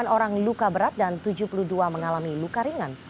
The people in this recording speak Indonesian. sembilan orang luka berat dan tujuh puluh dua mengalami luka ringan